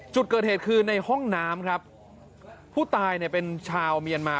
จุดเกิดเหตุคือในห้องน้ำครับผู้ตายเนี่ยเป็นชาวเมียนมา